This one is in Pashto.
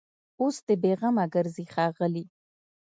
اوس دي بېغمه ګرځي ښاغلي